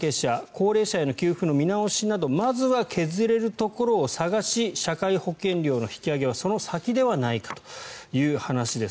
高齢者への給付の見直しなどまずは削れるところを探し社会保険料の引き上げはその先ではないかという話です。